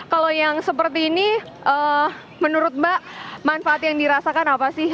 kalau yang seperti ini menurut mbak manfaat yang dirasakan apa sih